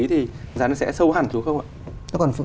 thì giá nó sẽ sâu hẳn đúng không ạ